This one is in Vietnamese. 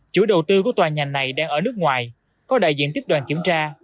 chủ đầu tư của tòa nhà này đang ở nước ngoài có đại diện tiếp đoàn kiểm tra